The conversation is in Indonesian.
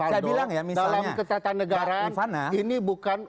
dalam ketatanegaraan ini bukan